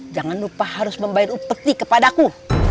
jangan lupa harus membayar upeti kepada aku